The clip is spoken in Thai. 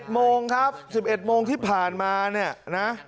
โมงครับ๑๑โมงที่ผ่านมาเนี่ยนะ